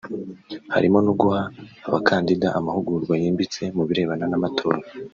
harimo no guha abakandida amahugurwa yimbitse mu birebana n’amatora